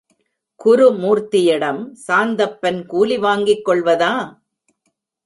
குருமூர்த்தியிடம் சாந்தப்பன் கூலி வாங்கிக் கொள்வதா?